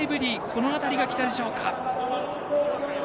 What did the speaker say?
この辺りがきたでしょうか。